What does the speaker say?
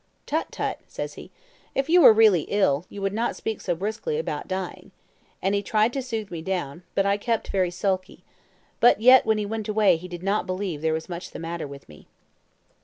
"'Tut, tut,' says he, 'if you were really ill, you would not speak so briskly about dying;' and he tried to soothe me down, but I kept very sulky but yet when he went away he did not believe there was much the matter with me.